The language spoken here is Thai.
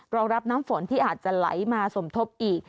รองรับน้ำฝนที่อาจจะไหลมาสมทบอีก